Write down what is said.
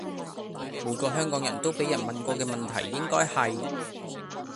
每個香港人都畀人問過嘅問題應該係